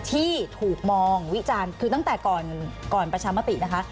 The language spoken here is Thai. ที่ถูกมองวิจารณ์คือตั้งแต่ก่อนประชามตินะคะ